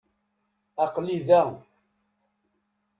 Aql-i da.